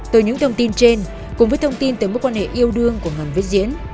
từ những thông tin trên cùng với thông tin tới mối quan hệ yêu đương của ngân với diễn